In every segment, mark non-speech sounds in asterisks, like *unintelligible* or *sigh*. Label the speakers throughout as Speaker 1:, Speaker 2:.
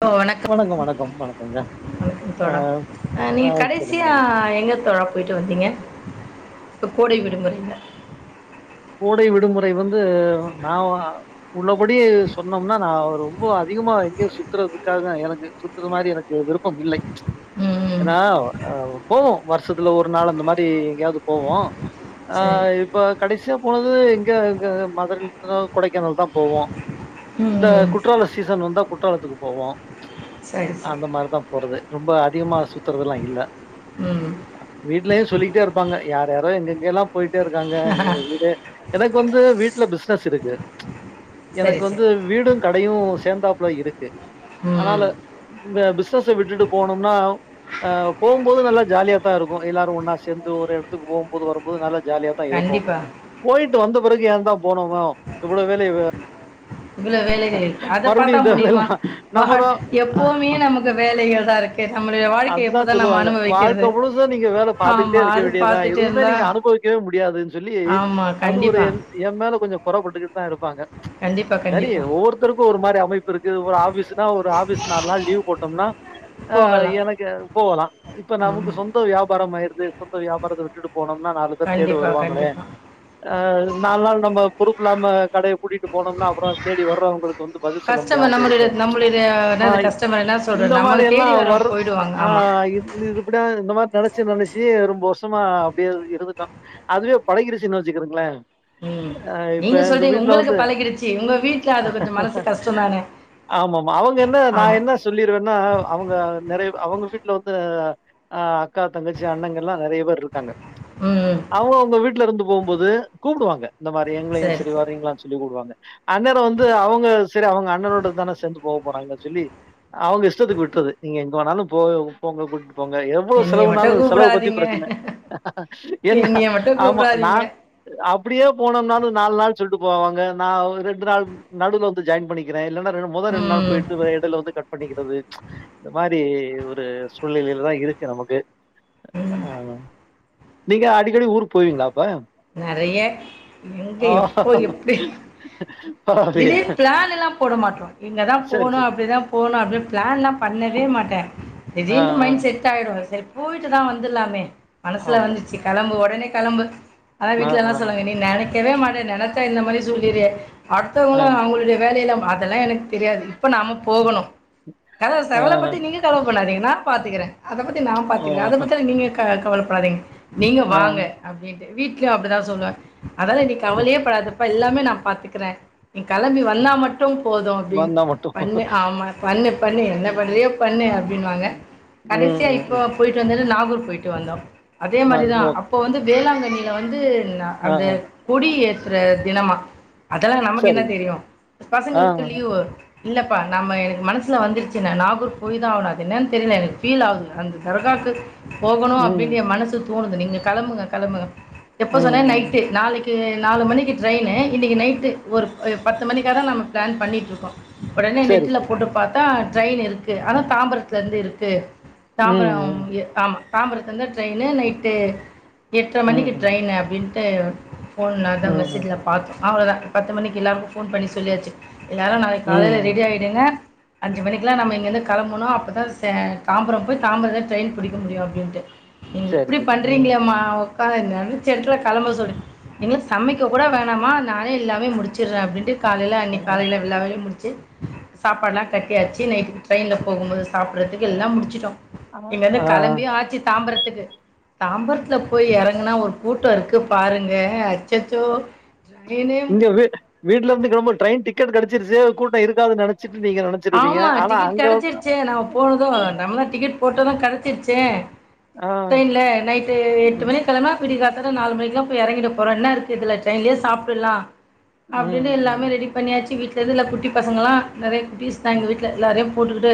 Speaker 1: Hello வணக்கம்
Speaker 2: வணக்கம் வணக்கங்க
Speaker 1: வணக்கம்
Speaker 2: ஆ
Speaker 1: தோழா
Speaker 2: ஆ
Speaker 1: நீங்க
Speaker 2: சொல்லுங்க
Speaker 1: கடசியா
Speaker 2: மேடம்.
Speaker 1: எங்க தோழா போயிட்டு வந்தீங்க இப்ப கோடை விடுமுறையில
Speaker 2: கோடை விடுமுறை வந்து நா அ உள்ளபடி சொன்னோம்னா நா ரொம்ப அதிகமா எங்கயோ சுத்துறதுக்காக எனக்கு சுத்துற மாரி எனக்கு விருப்பம் இல்லை
Speaker 1: ம் ம்
Speaker 2: ஏனா போவோம் வருஷ்ஸத்துல ஒரு நாள் அந்த மாரி எங்கேயாவது போவோ அ
Speaker 1: சரி
Speaker 2: இப்ப கடைசி ச்ச போனது எங்கங்க மதுரையில் *inaudible* கொடைக்கானல் தா போவோ
Speaker 1: ம்
Speaker 2: இந்த
Speaker 1: ம்
Speaker 2: குற்றால சீசன் வந்தா குற்றாலத்துக்கு போவோ
Speaker 1: சரி சரி
Speaker 2: அந்த மாரிதா போறது ரொம்ப அதிகமா சுத்துறதுல்லா ல்ல
Speaker 1: ம்
Speaker 2: வீட்லயு சொல்லிக்கிட்டே இருப்பாங்க யார் யாரோ எங்கெங்கல்லா போயிட்டேருக்காங்க நீங்க வீ எனக்கு வந்து வீட்ல பிஸ்னஸுருக்கு
Speaker 1: சரி
Speaker 2: எனக்
Speaker 1: சரி
Speaker 2: வந்து வீடு கடயு சேந்தாப்புல இருக்கு
Speaker 1: ம்
Speaker 2: அதனால இந்த பிஸ்னஸ விட்டுட்டு போனோம்னா அ போம்போது நல்லா ஜாலியா தா இருக்கு எல்லாரு ஒன்னா சேந்து ஒரு எடத்துக் போம்போது வரும்போது நல்லா ஜாலியா தா இருக்கு
Speaker 1: கண்டிப்பா
Speaker 2: போயிட்டு வந்த பெறகு ஏ தா போனோமோ இவ்ளோ வேலய வெ
Speaker 1: இவ்ளோ வேலைகள் இருக்கு அத பாத்தா
Speaker 2: இந்த
Speaker 1: முடியுமா
Speaker 2: வேலைலாம்
Speaker 1: வா
Speaker 2: நம்ம தான் அ.
Speaker 1: எப்பவுமே நமக்கு வேலைகள் தாருக்கு
Speaker 2: அதுதா சொல்லுவாங்க வாழ்க்க முழுது நீங்க வேல பாத்துக்கிட்டே
Speaker 1: ஆமாம்
Speaker 2: இருக்க
Speaker 1: அது
Speaker 2: வேண்டியதுதா
Speaker 1: பார்த்துட்டு
Speaker 2: எதுவுமே
Speaker 1: இருந்தா
Speaker 2: நீங்க அனுபவிக்கவே முடியாதுன்னு சொல்லி
Speaker 1: ஆமாம்
Speaker 2: அது ஒரு
Speaker 1: கண்டிப்பாக
Speaker 2: என் ஏ மேல கொஞ்சோ பொறப்பட்டுக்கிட்டு தா இருப்பாங்க
Speaker 1: கண்டிப்பாக
Speaker 2: சரி
Speaker 1: கண்டிப்பாக
Speaker 2: ஒவ்வொருத்தருக்கு ஒரு மாரி அமைப்பு இருக்கு ஒர் *unintelligible* ஆபீஸு *unintelligible* *unintelligible* ஒரு ஆபிஸ் நாலு நாள் லீவ் போட்டோம்னா அ
Speaker 1: போகலாம்
Speaker 2: எனக்கு போகலா இப்ப நமக்கு
Speaker 1: ம்
Speaker 2: சொந்த வியாபாரம் ஆயி *unintelligible* சொந்த வியாபாரத்த விட்டுட்டுப் போனும்னா நாலு பேர் தேடு
Speaker 1: கண்டிப்பாக
Speaker 2: வருவாங்களே
Speaker 1: கண்டிப்பாக
Speaker 2: அ நாலு நாள் நம்ப பொறுப்புலாம கடை பூட்டிட்டு போனம்னா அப்புறோ தேடி வர்றவங்களுக்கு வந்து பதில் சொல்ல
Speaker 1: கஸ்டமர்
Speaker 2: முடியாம போய்ருமே
Speaker 1: நம்மளுடைய நம்மளுடைய
Speaker 2: ச்ச் அ
Speaker 1: என்னது கஸ்டமர் என்ன
Speaker 2: இந்த
Speaker 1: சொல்றது நம்ம
Speaker 2: மாரி
Speaker 1: தேடி
Speaker 2: எல்லாம்
Speaker 1: வரவங்க
Speaker 2: வரு
Speaker 1: போயிடுவாங்க
Speaker 2: அ
Speaker 1: ஆமா
Speaker 2: இத் இது *unintelligible* இந்த மார் நெனச்சு நெனைச்சி ரொம்ப வருஷமா அப்டியே இருந்துடோ அதுவே பழகிறிச்சின்னு வச்சுக்குறுங்களேன்
Speaker 1: ம்
Speaker 2: அ இப்ப
Speaker 1: நீங்க
Speaker 2: எங்க
Speaker 1: சொல்றீங்க
Speaker 2: வீட்ல
Speaker 1: உங்களுக்கு
Speaker 2: வந்து
Speaker 1: பழகிடுச்சு உங்க வீட்ல அது கொஞ்சம் மனசு கஷ்டம் தானே
Speaker 2: ஆமாமா அவுங்க என்ன நா
Speaker 1: ஆமா
Speaker 2: என்ன சொல்லிருவேன்னா அவுங்க நெறைய அவங்க வீட்ல வந்து அ அக்கா தங்கச்சி அண்ணங்கெல்லா நெறைய பேர் இருக்காங்க
Speaker 1: ம்
Speaker 2: ச்ச்அவுங்கவுங்க வீட்ல இருந்து போம்போது கூப்டுவாங்க இந்த மாதரி எங்களையு
Speaker 1: சரி
Speaker 2: செரி
Speaker 1: சரி
Speaker 2: வரீங்களான்னனு சொல்லி கூப்டுவாங்க அண்ணர வந்து அவுங்க செரி அவுங்க அண்ணனோட தான சேந்து போவ் போறாங்க சொல்லி அவுங்க இஷ்டத்துக்கு விட்றுது நீங்க எங வேணாலு போ போங்க கூட் போங்க எவ்ளோ
Speaker 1: என்னைய
Speaker 2: செலவுனாலு
Speaker 1: மட்டும்
Speaker 2: செலவு பத்தி
Speaker 1: கூப்பிடாதீங்க
Speaker 2: ப்ரெச்சன என்ன
Speaker 1: என்னைய மட்டும்
Speaker 2: ஆமா நா
Speaker 1: கூப்பிடாதீங்க
Speaker 2: அ அப் அப்புடியே போனோம்னாலு நாலு நாள் சொல்ட்டு போவாங்க நா ஒர் ரெண்டு நாள் ந- நடுவ்ல வந்து ஜாய்ன் பண்ணிக்கிறே இல்லனா ரெண் மொத ரெண்டு நாள்
Speaker 1: ம்
Speaker 2: போய்ட்டு வ எடைல வந்து கட் பண்ணிக்கிறது ச்ச் இந்த மாரி ஒரு சூழ்நிலையில தா இருக்கு நமக்கு அ அ ஆமா நீங்க அடிக்கடி ஊரு போவீங்ளா
Speaker 1: நெறைய எங்க எப்போ எப்டி
Speaker 2: பரவால்லயே!
Speaker 1: திடீர் பிளான் எல்லாம் போட மாட்டோ இங்கதா
Speaker 2: சரி,
Speaker 1: போணு
Speaker 2: சரி.
Speaker 1: அப்டிதா போணு அப்டின் பிளான் லா பண்ணவே மாட்டே
Speaker 2: ஆ,
Speaker 1: திடிர்ன்டு
Speaker 2: ஆ.
Speaker 1: மைண் செட் ஆயிடு செரி போய்ட்டுதா வந்துலாமே மனசுல
Speaker 2: ஆமாமா.
Speaker 1: வந்துச்சு கெளம்பு ஒடனே கெளம்பு அத
Speaker 2: ஆ,
Speaker 1: வீட்லெல்லா
Speaker 2: ஆ,
Speaker 1: சொல்லுங்க இனி நானே க்கவே மாட்டே நெனச்சாவ் இந்த மாரி *unintelligible*
Speaker 2: ஆ,
Speaker 1: அட்த்தவங்கலா‌ அவங்களுடைய வேலையெல்லாம் அதெல்லா எனக்கு தெரியாது ப்ப நாம போகணு *unintelligible*
Speaker 2: ஆ,
Speaker 1: செவல பத்தி நீங்க கவல பண்ணாதீங்க நா பாத்துக்கிறே அத பத்தி நா
Speaker 2: ஓ!
Speaker 1: பாத்துக்கற அத பத்திலா நீங்க ஏ அ கவலப்படாதீங் நீங்க
Speaker 2: ஆ,
Speaker 1: வாங்க அப்டின் வீட் கே அப்டிதா சொல்றாங்க அதல்லா நீ
Speaker 2: சரி,
Speaker 1: கவலயேப்படாத ப்ப எல்லாமே நா பாத்துக்கறே நீ கெளம்பி வந்தா
Speaker 2: சரி.
Speaker 1: மட்டு போது அப்டின்
Speaker 2: வந்தா மட்டும்
Speaker 1: பண்ணு
Speaker 2: போதும்.
Speaker 1: ஆமா பண்ணு
Speaker 2: ம்,
Speaker 1: பண்ணு என்ன
Speaker 2: ம், ம்.
Speaker 1: பண்றயோ பண்ணு அப்டின்வாங்க
Speaker 2: ம்,
Speaker 1: கடைசியா
Speaker 2: ம்,
Speaker 1: இப்போ
Speaker 2: ம்.
Speaker 1: போய்ட்டு வந்தது நாகூர் போயிட்டு வந்தோ அதே
Speaker 2: நான்
Speaker 1: மாரி
Speaker 2: ஒரு
Speaker 1: தா
Speaker 2: ஓகே.
Speaker 1: அப்ப வந்து வேளாங்கண்ணி இங்க வந்து ஏனா
Speaker 2: ஆ,
Speaker 1: அந்த
Speaker 2: ஆ.
Speaker 1: கொடியே ற்ற தினமா அதெல்லா நமக்கு என்ன
Speaker 2: சரிங்க.
Speaker 1: தெரியு
Speaker 2: ஆ,
Speaker 1: பசங்களுக்கு
Speaker 2: ஆ.
Speaker 1: லீவு இல்லப்பா நம்ம எனக்கு மனசுல வந்துருச்சு நா நாகூர் போயி தா ஆவுனு அது என்னன் தெரில எனக்கு ஃபீல் ஆகுது அந்த தர்காக்கு போகணு
Speaker 2: ம்,
Speaker 1: அப்டின் ஏ மனசுக் தோணுது நீங்க கெளம்புங்க கெளம்புங்க
Speaker 2: ம்,
Speaker 1: எப்ப சொன்னே
Speaker 2: ம்.
Speaker 1: நைட்டு நாளைக் கு நாலு மணிக்கு ட்ரெய்னு இன்னிக்கி நைட்டு ஒரு எ பத்து மணிக்கா தா நம்ம பிளான் பண்ணிட்ருக்கோ ஒடனே
Speaker 2: சரி,
Speaker 1: நெட்ல
Speaker 2: சரி.
Speaker 1: போட்டு பாத் தா ட்ரெய்ன் இருக்கு அது தாம்பரத்துலருந்து இருக்கு
Speaker 2: ம்,
Speaker 1: தாம்பரம்
Speaker 2: ம்,
Speaker 1: எ ஆமா தாம்பரத்துருந்து ட்ரெய்னு நைட்டு எட்டர
Speaker 2: ம்,
Speaker 1: மணிக்கு
Speaker 2: ம்,
Speaker 1: *unintelligible* அப்டின்ட்டு ஃபோன்ல அதா
Speaker 2: ம், ம்,
Speaker 1: மெசேஜுல பாத்தோ அவ்ளோ தா பத்து மணிக்கு எல்லார்க்கு ஃபோன் பண்ணி சொல்லியாச்சு எல்லாரு நாளைக்
Speaker 2: ம்,
Speaker 1: காலைல
Speaker 2: ம்.
Speaker 1: ரெடி ஆயிடுங்க அஞ்சு மணிக்லா நம்ம இங்கிர்ந்து கெளம்பனு அப்பதா சே தாம்பரம் போய் தாம்பரந்து ட்ரெய்ன் புடிக்க முடியு அப்டீன்ட்டு *unintelligible*
Speaker 2: சரி,
Speaker 1: இப்டி
Speaker 2: சரி. ம்.
Speaker 1: பண்றீங்களேமா *unintelligible* என்னனு *unintelligible* கெளம்ப சொல்லு எங்களுக்கு சமைக்க கூட வேணாமா நானே எல்லாமே முடிச்சிர்ற அப்டின்ட்டு காலைல
Speaker 2: ஆ,
Speaker 1: அன்னிக் காலைல எல்லா வேலயு முடி ச்சு சாப்பாட்லா கட்டியாச்சு நைட்டுக் ட்ரெய்ன்ல போகும்போது சாப்பிடறதுக்கு
Speaker 2: ஆ,
Speaker 1: எல்லா முடிச்சுட்டோ
Speaker 2: ஆ.
Speaker 1: இங்கந்து
Speaker 2: ஆ.
Speaker 1: கெளம்பியு ஆச்சு தாம்பரத் க்கு தாம்பரத் போய் எறங்கனா ஒரு ஊட்ட ருக்கு பாருங்க அச்சச்சோ ட்ரெயினே
Speaker 2: இங்க வீட் வீட்டுலருந்து கெளம்பத் போத் ட்ரெயின் டிக் டிக்கட் கெடச்சிருச்சு கூட்ட இருக்காது நினை
Speaker 1: ஆமா டிக்கெட் கெடைச்சிருச்சே நாம் போனது நம்ம டிக்கெட் போட்டதும் கெடச்சிருச்ச தே
Speaker 2: ஆ.
Speaker 1: ட்ரெயின்ல நைட்டு எட்டு
Speaker 2: ம்,
Speaker 1: மணி கிழம்னா விடி கா ச நாலு மணிக்லா போய் எறங்கிட போறோ என்ன இருக்கு இதுல டிரெயின்லயே சாப்பிட்லா
Speaker 2: ம்,
Speaker 1: அப்படின்னு
Speaker 2: ம்,
Speaker 1: எல்லாமே
Speaker 2: ம்,
Speaker 1: ரெடி பண்ணியாச்சு வீட்டு தெதுல குட்டி பசங்கள்லா நெறைய குட்டி நா
Speaker 2: ம்.
Speaker 1: எங்க வீட்டில எல்லாரையும் பூட்டுகிட்டு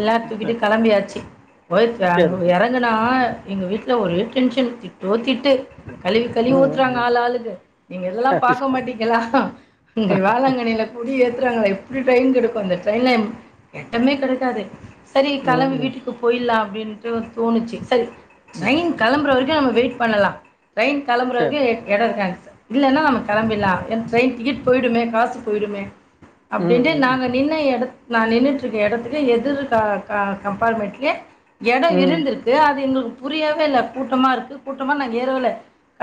Speaker 1: எல்லா
Speaker 2: சரி.
Speaker 1: தூக்கிட்டு கெளம்பியாச்சு போய்ட்
Speaker 2: சேரி
Speaker 1: அங்க
Speaker 2: சேரி
Speaker 1: எறங்குனா எங்க வீட்டில ஒரே டென்ஷன் திட்டோ திட் ட்டு
Speaker 2: சேரி
Speaker 1: கழிவி கழிவி ஊத்துறாங்க ஆளுளாக்கு நீங்க இதெல்லா பாக்க மாட்டீங்களா இங்க வேளங்கனில கூடியே றாங்களே எப்டி டைம் கெடுக்கு அது ஃபிரன்னேம் கட்டமே கெடக்காது சரி
Speaker 2: ம்
Speaker 1: கெலம்பு
Speaker 2: ம்
Speaker 1: வீட்டுக்கு போய்லாம் அப்டின்ட்டு தோணுச்சு சரி
Speaker 2: ம்
Speaker 1: டிரைன் கெளம்பறவரைக் நம்ம வெயிட் பண்ணலா ட்ரெயின்
Speaker 2: சரி
Speaker 1: கெளம்புறதுக்கு
Speaker 2: சரி
Speaker 1: எ எடம் இருக்கா இல்லன்னா நம்ம கெளம்பிலா ஏ ட்ரெயின் டிக்கெட் போயிடுமே காஸ் போயிடுமே
Speaker 2: ம் ம் ம் சரி ம்
Speaker 1: அப்படின்ட்டு
Speaker 2: ம் ம்
Speaker 1: நாங்க நின்ன எ நா நின்னுட்ருக்க எடத்துலயே எதிர் க க கம்பார்ட்மெண்ட்லயே எடம்
Speaker 2: ம்
Speaker 1: இருந்திருக்கு அது எங்களுக் புரியவே இல்ல கூட்டமா இருக்கு கூட்டமா நாங்க ஏறோவெல்ல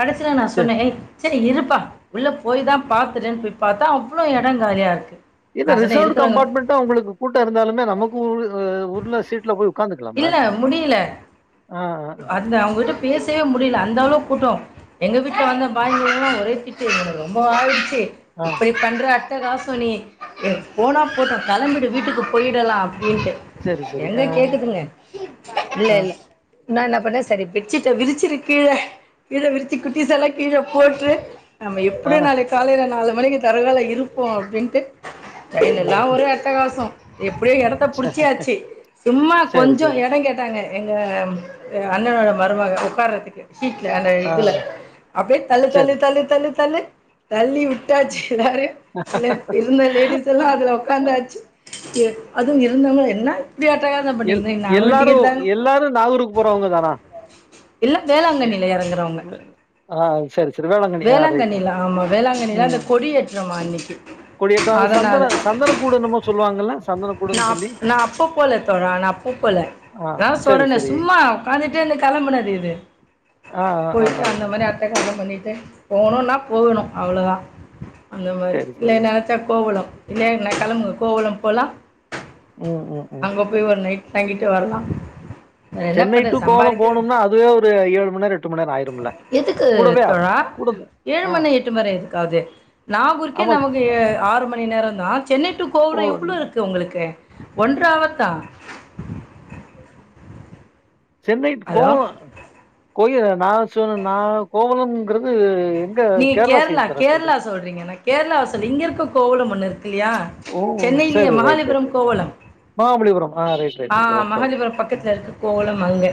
Speaker 1: கடசில நான்
Speaker 2: சரி
Speaker 1: சொன்னேன் ஏய் செரி இருப்பா உள்ளே போய் தான் பாத்துடுன்னு போய் பாத்தா அவ்வளோ எடங் காலியா இருக்கு
Speaker 2: இத
Speaker 1: நான் சொன்னே
Speaker 2: ரிசர்வ்ட்
Speaker 1: இருக்குறவங்க
Speaker 2: கம்பார்ட்மெண்ட்டா உங்களுக்கு கூட்டோ இருந்தாலுமே நமக்கு உய் உள்ள சீட்ல போய் ஒக்
Speaker 1: இல்ல முடியல
Speaker 2: ஆ ஆ
Speaker 1: அந்த அவுங்கட்ட பேசவே முடியல அந்த அளவுக் கூட்டோ எங்க வீட்ல வந்த பாய்ங்கல்லா ஒரே திட்டு எங்களுக் ரொம்ப ஆயிடுச் தே
Speaker 2: ஆ
Speaker 1: இப்டி பண்ற அட் ட்டகாசோ நீ போனா போட்டும் கெளம்பிடு வீட்டுக்கு போயிடலாம் ப்படின்ட்டு
Speaker 2: சரி சரி
Speaker 1: எங்க
Speaker 2: ஆ
Speaker 1: கேக்குதுங்க இல்ல
Speaker 2: ஆ
Speaker 1: இல் நா என்ன பண்ணே செரி பெட்ஷீட்ட விரிச்சுரு கீழ கீழ விரிச்சு குட்டிஸெல்லா கீழ போட்று நம்ம
Speaker 2: ஆ
Speaker 1: எப்புடியோ நாளைக் காலையில நாள மணிக்கு தருகால இருப்போ அப்டின்ட்டு ட்ரெய்னெல்லா
Speaker 2: ம்
Speaker 1: ஒரே அட்ட காசோ எப்புடியோ எடத்த
Speaker 2: ச
Speaker 1: பிடிச்சியாச்சு சும்மா
Speaker 2: சரி
Speaker 1: கொஞ்சோ
Speaker 2: சரி
Speaker 1: எடோ கேட்டாங்க எங்க அண்ணனோட மருமக உட்கார்றதுக்கு சீட்ல அந்த
Speaker 2: ஆ
Speaker 1: இதுல அப்டியே தள்ளி
Speaker 2: சரி
Speaker 1: தள்ளி தள்ளி தள்ளி தள்ளு தள்ளி விட் விட்டாச்சு எல்லாரயு இல்ல இருந்த லேடிஸ் எல்லா அதுல உக்காந்தாச்சு செ அதுவு இருந்தாமலே என்ன இப்டி அட்டகாசம்
Speaker 2: எல்
Speaker 1: பண்ணீங்கன்னா நாங்களு
Speaker 2: எல்லாரு
Speaker 1: டிக்கெட் தாங்க
Speaker 2: எல்லாரு நாவூருக்
Speaker 1: இல்ல
Speaker 2: எ
Speaker 1: வேளாங்கண்ணில எறங்குறவங்க
Speaker 2: வ ஆ ஓக் செரி செரி வேளாங்கண்ணியா ரைட்
Speaker 1: வேளாங்கண்ணில
Speaker 2: ரைட்
Speaker 1: ஆமா வேளாங்கண்ணில அந்த
Speaker 2: உம்
Speaker 1: கொடி ஏற்றமா அன்னைக்கு
Speaker 2: கொடியேற்றோ அது
Speaker 1: அதனால
Speaker 2: சந்தன சந்தனக்கூடு என்னுமோ சொல்லுவாங்கல்ல சந்தனக்கூடுன்னு சொல்லி
Speaker 1: *unintelligible* நானா அப்பப்போல
Speaker 2: ஆ
Speaker 1: நா தா
Speaker 2: சரி,
Speaker 1: சொன்னனே
Speaker 2: சரி.
Speaker 1: சும்மா உக்காந்துட்டே கெளம்புனது இது
Speaker 2: ஆ, ஆ, ஆ,
Speaker 1: போயிட்டு
Speaker 2: ஆ,
Speaker 1: அந்த
Speaker 2: ஆ.
Speaker 1: மாரி அட்டகா ச பண்ணீட் ட்டு போணுன்னா போகணு அவ்ளோதா அந்த மாரி
Speaker 2: சரி,
Speaker 1: இல்ல
Speaker 2: சரி.
Speaker 1: நெனைச்சா கோவலம் இல்லயின்னா கெளம்புங்க கோவளம் போலாம்
Speaker 2: ம், ம், ம்.
Speaker 1: அங்க போய் ஒரு நைட் தங்கிட்டு வரலாம் வேற என்ன
Speaker 2: சென்னை
Speaker 1: பண்ண
Speaker 2: டு கோவலம்
Speaker 1: சம்பாதிக்க
Speaker 2: போனும்னா அதுவே ஒரு ஏழுமண் நேரோ எட்டுமண் நேரோ ஆயிரும்ல கூடவே ஆகும்.
Speaker 1: ழா
Speaker 2: கூட
Speaker 1: ஏழு
Speaker 2: ஆ.
Speaker 1: மணி எட்டு வரயு எதுக்காவது நாகூர்ககர்கே
Speaker 2: ஆமா.
Speaker 1: நமக்கு ஏ ஆறு மணி நேரோந் நான் சென்னை டு
Speaker 2: ஓ!
Speaker 1: *unintelligible* இவ்ளோ இருக்கு உங்களுக்கு ஒன்றாவத்தா
Speaker 2: சென்னை கோவுலொ கோயில நான் சோ நா கோவலம் ங்கிறது
Speaker 1: நீங்க கேரளா கேரளா சொல்றீங்க நா கேரளாவ சொல்ல இங்க இருக்க கோவலம் ஒன்னு இருக்கு இல்லையா
Speaker 2: ஓ!
Speaker 1: சென்னையிலியே
Speaker 2: சரி. Right, right,
Speaker 1: Mahabalipuram
Speaker 2: right.
Speaker 1: Kovalam
Speaker 2: Mahabalipuram. ஆ ரைட், ரைட், ரைட்.
Speaker 1: ஆஹ்
Speaker 2: ஓகே, ஓகே.
Speaker 1: மகாலிபுரம்
Speaker 2: ம்.
Speaker 1: பக்கத்துல இருக்கு கோவலம் அங்க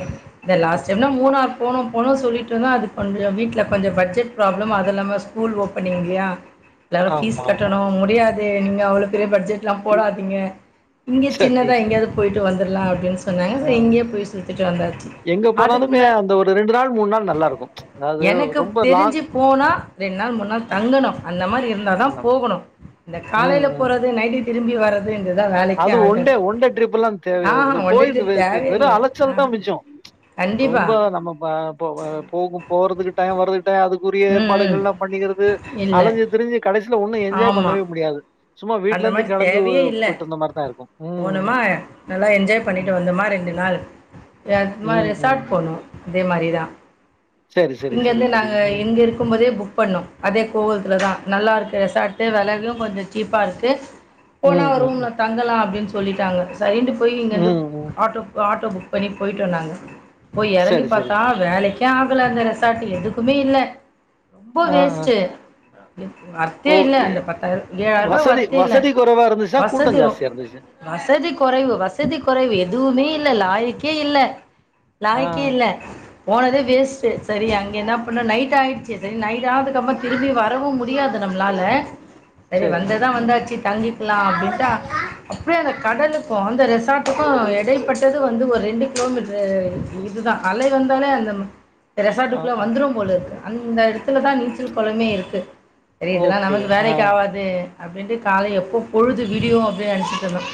Speaker 1: இந்த லாஸ்ட் டைம்னா மூணார் போனு போனு சொல்லிட்டுருந்தோ அது கொஞ்சோ வீட்ல கொஞ்சோ பட்ஜெட் ப்ராப்ளம் அதில்லாம ஸ்கூல் ஓப்பனிங் இல்லயா எல்லாரு
Speaker 2: ஆமா, ஆமா,
Speaker 1: ஃபீஸ்
Speaker 2: ஆமா.
Speaker 1: கட்டணும் முடியாது தே நீங்க அவ்ளவு பெரிய பட்ஜெட் எல்லாம் போடாதீங்க இங்க
Speaker 2: சரி.
Speaker 1: சின்னதாங்க எங்க போயிட்டு வந்துறலாம் அப் பிரண்ட்ஸ் வந்தாங்க
Speaker 2: ஆ.
Speaker 1: செரி இங்கேயே போய் சுத்திட்டு வந்தாச்சு
Speaker 2: எங்க
Speaker 1: அதுக்கு
Speaker 2: போனாலுமே
Speaker 1: முன்னா
Speaker 2: அந்த ஒரு நாள், நாள் நல்லாருக்கும். அதாவது
Speaker 1: எனக்கு
Speaker 2: ரொம்ப லாங்
Speaker 1: தெரிஞ்சு போனா ரெண் நாள் மூண் நாள்
Speaker 2: ஆ.
Speaker 1: தங்கணு அந்த மாரி எப் இருந்ததா போகணு இந்த
Speaker 2: ம்,
Speaker 1: காலைல
Speaker 2: ம்.
Speaker 1: போறது நைட்டுக்கு திரும்பி திரும்பி வர்ரது
Speaker 2: அது ஒண்டே ஒண்டே ட்ரிப்பெல்லா தேவயா
Speaker 1: ஆஹா
Speaker 2: அது
Speaker 1: ஒன் டே
Speaker 2: போயிட்டு வெ
Speaker 1: ட்ரிப் தேவையே
Speaker 2: வெறு
Speaker 1: இல்ல.
Speaker 2: அலைச்சல்தா
Speaker 1: ஆ
Speaker 2: மின்ச்சு ப்ச்
Speaker 1: கண்டிப்பா.
Speaker 2: ரொம்ப நம்ம ப ப போகும் போறதுக்கு டைம் வர்ரது அதுக்குரிய
Speaker 1: ம், ம்.
Speaker 2: ஏற்பாடுகள் எல்லாம் பண்ணிக்கிறது
Speaker 1: இல்ல.
Speaker 2: அலைஞ்சு திரிஞ்சு கடைசி ல ஒண்ணு என்ஜாய்
Speaker 1: ஆமா.
Speaker 2: பண்ணவே முடியாது சும்மா வீட்ல இருந்து கிளம்பி
Speaker 1: ல்ல
Speaker 2: போயிட்டு வந்த மாதிரி தான் இருக்கும் ம்
Speaker 1: போணுமா நல்லா என்ஜாய் பண்ணிட்டு
Speaker 2: ம்
Speaker 1: வந்தோமா ரெண்டு நாள் எ நாம
Speaker 2: ம் ம்.
Speaker 1: ரிசார்ட் போனோ அதே மாரிதா
Speaker 2: சரி சரி சரி
Speaker 1: இங்கிருந்து
Speaker 2: சரி
Speaker 1: நாங்க
Speaker 2: ம்
Speaker 1: இங்க இருக்கும்போதே புக் பண்ணோ அதே கோவலத்துலதா நல்லா இருக் கு சட்ட வெலகு கொஞ்சோ சீப்பாக இருக்கு போனா
Speaker 2: ம் ம்
Speaker 1: ரூம்ல
Speaker 2: ம்
Speaker 1: தங்கலா அப்டின் சொ சொல்லிட்டாங்க சரின்ட்டு போய் இங்கிருந்து
Speaker 2: ம், ம்.
Speaker 1: ஆட்டோ ஆட்டோ ஆட்டோ புக் பண்ணி போய்ட்டோ நாங்க போய் எறங்கி
Speaker 2: சரி சரி
Speaker 1: பாத்தா
Speaker 2: சரி.
Speaker 1: வேலெக் யாம் குல அந்த ரெசார்ட்டு எதுக்குமே இல்ல ரொம்போ
Speaker 2: ஆ ஆ
Speaker 1: வேஸ்ட்டு வொர்த்தே
Speaker 2: ஓ
Speaker 1: இல்ல அந்த
Speaker 2: எ-
Speaker 1: பத்தாயிர ஏழாயிர்வா
Speaker 2: வசதி
Speaker 1: வர்த்தே இல்ல
Speaker 2: வசதி குறைவா இருந்துச்சா
Speaker 1: வசதி
Speaker 2: கூட்டம்
Speaker 1: ரொ
Speaker 2: ஜாஸ்தியா இருந்துச்சு
Speaker 1: வசதி கொறைவு வசதி கொறைவு எதுவுமே இ இல்ல லாய்க்கே இல்ல
Speaker 2: ஆ
Speaker 1: லாய்க்கே இல்ல போனதே வேஸ் டு செரி அங்கே என்ன பண்ணா நைட் ஆகிடுச்சி செரின்னு நைட் ஆனதுக்கப்றம் திரும்பி வரவும் முடியாது நம்ளால சேரி
Speaker 2: சரி சரி
Speaker 1: வந்ததுதான் வந்தாச்சு தங்கி க்லாம் அப்டின்டு அப்புடியே அந்த கடலுக்கும் அந்த ரெசார்ட்டுக்கும் எடைப்பட்டது வந்து ஒரு ரெண்டு கிலோமீட்டரு ஆஹ் இதுதான் அலை வந்தாலே அந்த இந்த
Speaker 2: ஆ
Speaker 1: ரெசார்ட்டுக்குள்ள
Speaker 2: ஓகே
Speaker 1: வந்துரும் போலெருக்கு அந்த எடத்துல தான் நீச்சல் கொள மே இருக்கு செரி
Speaker 2: ஆ
Speaker 1: இதெல்லாம் நமக்கு
Speaker 2: ஆ,
Speaker 1: வேலைக்கு ஆவாது அப்டின்ட்டு காலை எப்போ பொழுது விடியூம் அப்டியே நெனச்சிட்டுருந்தோம்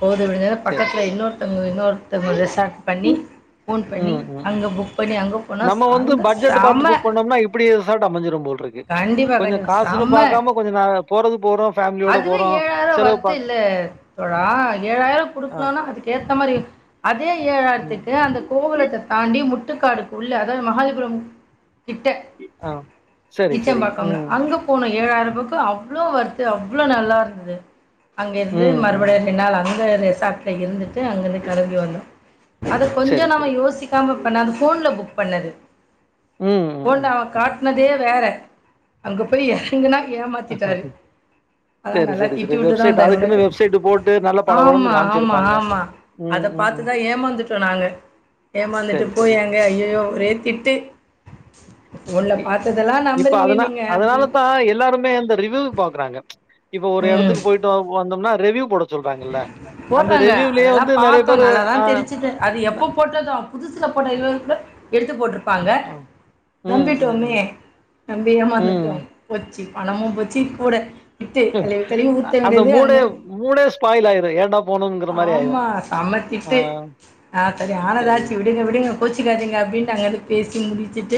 Speaker 1: பொழுது விடிஞ்சது
Speaker 2: சரி
Speaker 1: பக்கத்துல இன்னோர்த்த ம் இன்னோர்தங்க ரெசார்ட் பண்ணி ஃபோன் பண்ணி
Speaker 2: ம், ம்.
Speaker 1: அங்க புக் பண்ணி அங்க
Speaker 2: நம்ம வந்து பட்ஜெட்டு பாத்து புக் பண்ணோம்னா இப்டி ரெசார்ட் அமைஞ்சிரு போல்இருக்கு
Speaker 1: கண்டிப்பாக
Speaker 2: கொஞ்சோ
Speaker 1: கண்டிப்பாக
Speaker 2: காசுன்னு
Speaker 1: செம
Speaker 2: பாக்காம கொஞ்சோ நா போறது போறோ ஃபேம்லியோட
Speaker 1: அதுவே
Speaker 2: போறோ
Speaker 1: ஏழாயிரம்
Speaker 2: செலவு
Speaker 1: வருது
Speaker 2: பாக்
Speaker 1: இல்லை
Speaker 2: ஆ
Speaker 1: த்த மாரி அ அதே
Speaker 2: ம்,
Speaker 1: ஏழாயிர்த்துக்கு அந்த கோவலத்த தாண்டி முட் டுக்காடு உள்ள அதாவது மஹாலிப்புரம் கிட்ட
Speaker 2: ஆ. சரி, சரி.
Speaker 1: ஈச்சம்பாக்கம்லா
Speaker 2: ம்,
Speaker 1: அங்க போனு ஏழாயிரூவாக்கு அவ்ளோ வொர்த் அவ்ளோ நல்லா இருந்துது அங்க இருந்து
Speaker 2: ம்,
Speaker 1: மறுபடி
Speaker 2: ம்.
Speaker 1: ரெண்டு நாள் அந் ந்த ரெசார்ட்ல இருந்துட்டு அங்கிருந்து கெளம்பி வந்தோ அத கொஞ்சோ
Speaker 2: சரி,
Speaker 1: நம்ம
Speaker 2: சரி.
Speaker 1: யோசிக்காம இப்ப நா அந்த ஃபோன்ல புக் பண்ணது
Speaker 2: ம் ம் ம்
Speaker 1: ட்னதே வேற அங்க போய் எறங்கன்னா ஏமாத்திட்டாரு அதா
Speaker 2: சரி,
Speaker 1: நல்லா
Speaker 2: சரி, சரி.
Speaker 1: திட்டி விட்டுதா
Speaker 2: வெப்சைட்
Speaker 1: வந்தே உனக்கு
Speaker 2: அதுக்குன்னு வெப்சைட் போட்டு நல்லா
Speaker 1: ஆமா
Speaker 2: பளபளன்னு
Speaker 1: ஆமா
Speaker 2: காமிச்சிருப்பாங்க.
Speaker 1: ஆமா
Speaker 2: ம்,
Speaker 1: அத
Speaker 2: ம், ம்.
Speaker 1: பாத்துதா ஏமாந்துட்டோ நாங்க ஏமாந்துட்டு
Speaker 2: சரி,
Speaker 1: போய்
Speaker 2: சரி, சரி.
Speaker 1: அங்க ஐயயோ திட்டு பாத்ததெல்லாம்
Speaker 2: இப்ப
Speaker 1: நம்புறீங்க
Speaker 2: அதன
Speaker 1: நீங்க
Speaker 2: அதனால
Speaker 1: அப்டின்னு.
Speaker 2: தான் எல்லாருமே அந்த ரிவ்யூ பாக்குறாங்க இப்ப ஒரு எடத்துக்கு போயிட்டு வந்தோம்னா ரிவ்யூ போட சொல்றாங்கல்ல. அந்த
Speaker 1: போட்டாங்க
Speaker 2: ரிவ்யூலயே
Speaker 1: அதெல்லாம்
Speaker 2: வந்து நெறைய
Speaker 1: பார்த்தோம்
Speaker 2: பேரு
Speaker 1: நல்லாதான்
Speaker 2: ஆ.
Speaker 1: தெரிச்சுது அது எப்போ போட்டதோ புதுசுல போட்ட இன்னொருத் எடுத்து போட்ரு பாங்க
Speaker 2: ஆம் ம் ம் ம்
Speaker 1: நம்பிட்டோமே நம்பி
Speaker 2: ம்
Speaker 1: ஏமாந்துட்டோம் ஒத் சு பணமும் போச்சு கூட திட்டு
Speaker 2: ம்
Speaker 1: கழுவி கழுவி ஊற்ற
Speaker 2: அந்த
Speaker 1: விடுது
Speaker 2: மூடே மூடே ஸ்ப்பாய்லாயிற ஏண்டா
Speaker 1: ஆமா செமத்திட்டு ஆ சரி ஆனதாச்சு விடுங்க விடுங்க கோச்சிக்காதீங்க அப்பிடின்னு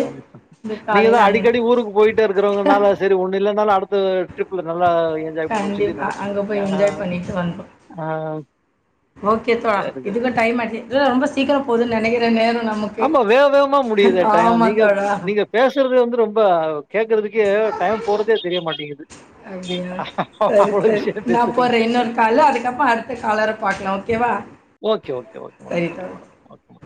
Speaker 2: ஆமா
Speaker 1: இந்த
Speaker 2: நீங்க
Speaker 1: காலையில்
Speaker 2: தான்
Speaker 1: அங்கே
Speaker 2: அடிக்கடி ஊருக்கு போயிட்டே இருக்கிறவங்கனால சரி ஒண்ணு இல்லைனாலும் அடுத் த ட்ரிப் நல்லா என்ஜாய் பண்ணுவோம் சொல்லி
Speaker 1: கண்டிப்பா
Speaker 2: நெனச்சுட்டு
Speaker 1: அங்க
Speaker 2: இருக்கீங்க.
Speaker 1: போய்
Speaker 2: ஆ
Speaker 1: என்ஜாய் பண்ணிட்டு வந்தோம்
Speaker 2: ஆ
Speaker 1: ஓகே தோழா
Speaker 2: சரி சரி.
Speaker 1: இதுக்கும் டைம் ஆயிருச்சு ரொம்ப சீக்கிரம் போது நினைக்கிற நேரம் நமக்கு
Speaker 2: ஆமா வேக வேகமா முடியுதே டைம்
Speaker 1: ஆமாம்
Speaker 2: நீங்க நீங்க பேசுறது வந்து ரொம்ப கேட்கறதுக்கே டைம் போறதே தெரிய மாட்டேங்குது.
Speaker 1: அப்டியா சரி
Speaker 2: அவ்ளோ
Speaker 1: சரி
Speaker 2: விஷயம்
Speaker 1: நான்
Speaker 2: பேசுறீங்க.
Speaker 1: போறேன் இன்னொரு கால் அதுக்கப்புறம் அடுத்த காலரை பார்க்கலாம் ஓகேவா
Speaker 2: ஓகே ஓகே ஓகே மேடம்
Speaker 1: சரி
Speaker 2: ஓகே
Speaker 1: தோழி
Speaker 2: மேட